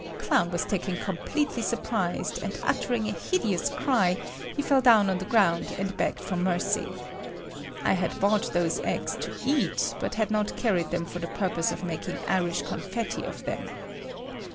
Clown was taken completely surprised, and uttering a hideous cry, he fell down on the ground and begged for mercy. I had bought those eggs to eat, but had not carried them for the purpose of making "Irish Confetti" of them.